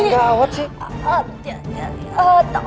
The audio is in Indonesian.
kenapa gawat sih